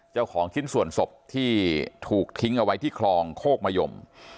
เจ้าของชิ้นส่วนศพที่ถูกทิ้งเอาไว้ที่คลองโคกมะยม